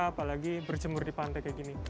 apalagi berjemur di pantai kayak gini